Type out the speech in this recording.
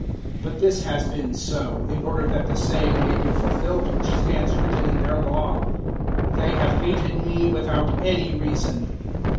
015:025 But this has been so, in order that the saying may be fulfilled which stands written in their Law, `They have hated me without any reason.'